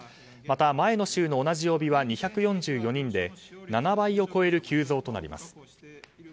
また前の週の数字は２４４人で７倍を超える急増となります。